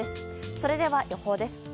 それでは、予報です。